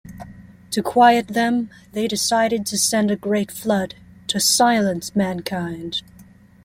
To quiet them they decide to send a great flood to silence mankind.